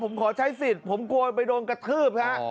ผมขอใช้สิทธิ์ผมกลัวไปโดนกระทืบฮะ